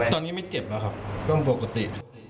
ตอนนี้ไม่เจ็บแล้วครับก็ปกติ